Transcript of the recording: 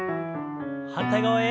反対側へ。